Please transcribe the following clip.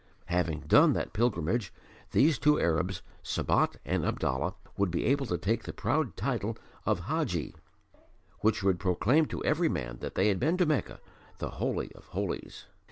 Having done that pilgrimage these two Arabs, Sabat and Abdallah, would be able to take the proud title of "Haji" which would proclaim to every man that they had been to Mecca the Holy of Holies.